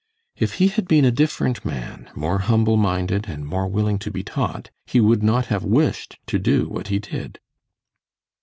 "If he had been a different man, more humble minded, and more willing to be taught, he would not have wished to do what he did."